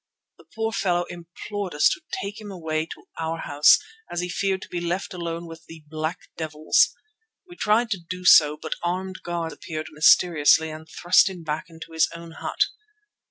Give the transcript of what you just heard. The poor fellow implored us to take him away to our house, as he feared to be left alone with "the black devils." We tried to do so, but armed guards appeared mysteriously and thrust him back into his own hut.